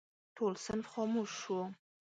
ټول صنف خاموش شو.